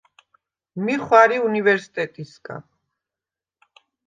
მი ხვა̈რი უნივერსტეტისგა.